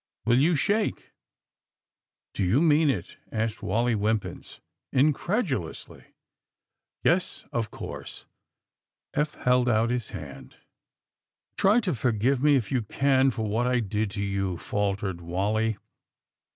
Will you shake?" Do you mean it?" asked Wally Wimpins incredulously. Yes, of course." Eph held out his hand. AND THE SMUGGLERS 247 Try to forgive me, if yon can, for what I did to you,^' faltered Wally.